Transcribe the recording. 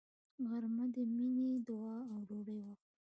غرمه د مینې، دعا او ډوډۍ وخت دی